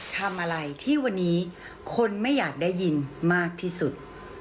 ทำอะไรที่วันนี้คนไม่อยากได้ยินมากที่สุด